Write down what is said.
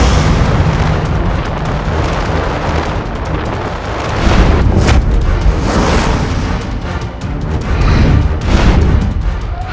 empat ratus meses makanya